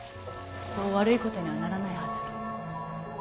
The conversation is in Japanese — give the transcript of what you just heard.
そう悪いことにはならないはず。